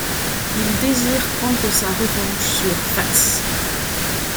Il désire prendre sa revanche sur Fats.